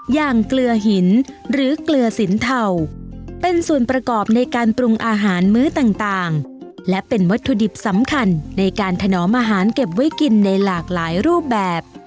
เกลือหินหรือเกลือสินเทาเป็นส่วนประกอบในการปรุงอาหารมื้อต่างและเป็นวัตถุดิบสำคัญในการถนอมอาหารเก็บไว้กินในหลากหลายรูปแบบ